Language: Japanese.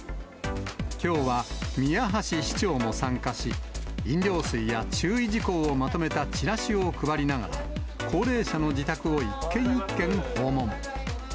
きょうは、宮橋市長も参加し、飲料水や注意事項をまとめたチラシを配りながら、高齢者の自宅を一軒一軒訪問。